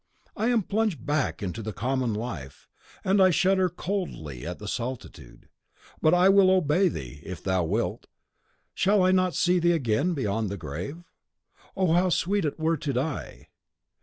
I am plunged back into the common life; and I shudder coldly at the solitude. But I will obey thee, if thou wilt. Shall I not see thee again beyond the grave? O how sweet it were to die!